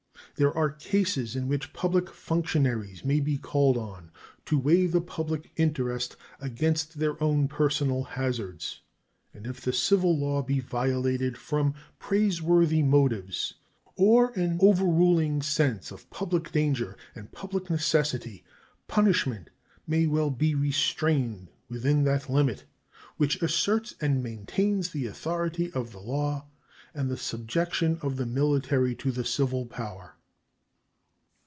There are cases in which public functionaries may be called on to weigh the public interest against their own personal hazards, and if the civil law be violated from praiseworthy motives or an overruling sense of public danger and public necessity punishment may well be restrained within that limit which asserts and maintains the authority of the law and the subjection of the military to the civil power.